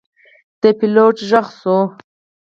د پیلوټ غږ شو.